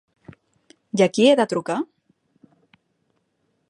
I a qui he de trucar?